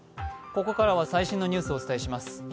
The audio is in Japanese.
ここからは最新のニュースをお伝えします。